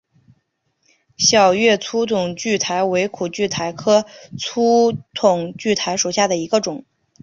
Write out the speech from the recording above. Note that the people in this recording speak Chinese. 小叶粗筒苣苔为苦苣苔科粗筒苣苔属下的一个种。